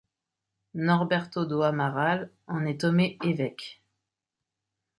Norberto do Amaral en est nommé évêque.